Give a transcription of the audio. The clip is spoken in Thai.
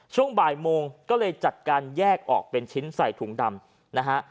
ช่วงบ่ายโมงก็เลยจัดการแยกออกเป็นชิ้นใส่ถุงดำนะฮะ